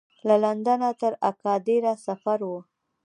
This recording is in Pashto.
له لندنه تر اګادیره سفر و.